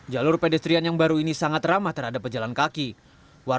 jalur pedestrian yang baru ini sangat antarabangsa